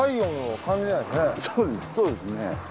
そうですね。